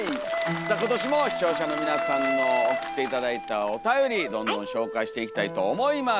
さあ今年も視聴者の皆さんの送って頂いたおたよりどんどん紹介していきたいと思います！